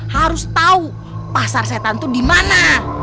harus tahu pasar setan itu di mana